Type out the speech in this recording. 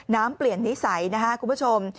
น้ำเปลี่ยนนิสัยนะครับคุณผู้ชม